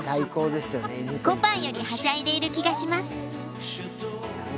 こぱんよりはしゃいでいる気がします。